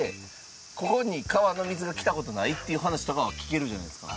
ここに川の水がきた事ないっていう話とかは聞けるじゃないですか。